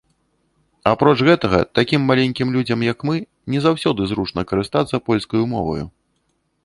Апроч гэтага, такім маленькім людзям, як мы, не заўсёды зручна карыстацца польскаю моваю.